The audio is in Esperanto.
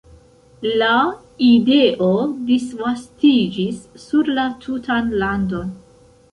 La ideo disvastiĝis sur la tutan landon.